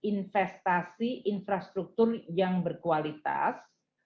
investasi infrastruktur yang berkualitas